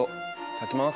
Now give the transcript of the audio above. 頂きます。